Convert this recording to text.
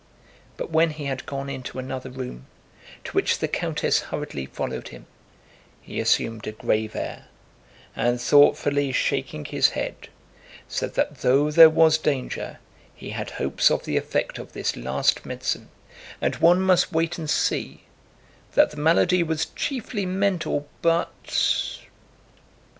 But when he had gone into another room, to which the countess hurriedly followed him, he assumed a grave air and thoughtfully shaking his head said that though there was danger, he had hopes of the effect of this last medicine and one must wait and see, that the malady was chiefly mental, but...